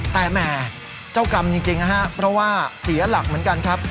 แต่แหม่เจ้ากรรมจริงนะฮะเพราะว่าเสียหลักเหมือนกันครับ